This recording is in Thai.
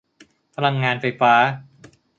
พลังงานไฟฟ้า